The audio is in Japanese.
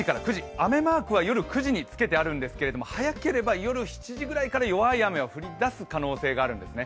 雨マークは夜９時につけてあるんですけれども早ければ夜７時ぐらいから弱い雨が降りだす可能性があるんですね。